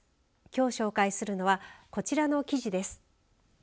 きょう紹介するのはこちらの記事です。